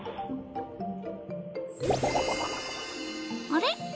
あれ？